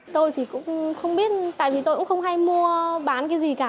tôi thì cũng không biết tại vì tôi cũng không hay mua bán cái gì cả